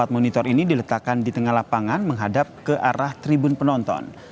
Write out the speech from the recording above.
empat monitor ini diletakkan di tengah lapangan menghadap ke arah tribun penonton